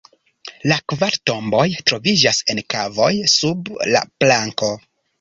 La kvar tomboj troviĝas en kavoj sub la planko.